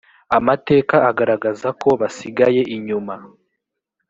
amateka agaragaza ko basigaye inyuma